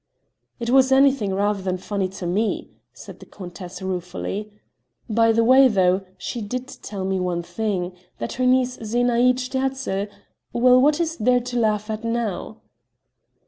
"It was anything rather than funny to me," said the countess ruefully. "By the way, though, she did tell me one thing that her niece Zenaïde Sterzl ... Well, what is there to laugh at now?"